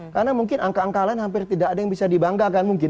karena mungkin angka angka lain hampir tidak ada yang bisa dibanggakan mungkin